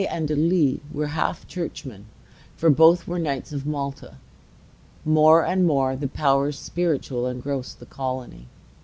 Both Montmagny and De Lisle were half churchmen, for both were Knights of Malta. More and more the powers spiritual engrossed the colony.